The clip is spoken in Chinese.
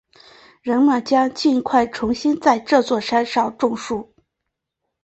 人们将尽快重新在这座山上种树。